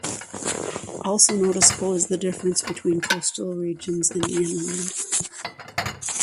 Also noticeable is the difference between coastal regions and the inland.